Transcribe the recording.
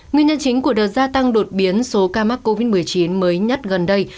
nguyên nhân chính của đợt gia tăng đột biến số ca mắc covid một mươi chín mới nhất gần đây